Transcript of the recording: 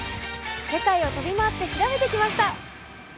世界を飛び回って調べてきました！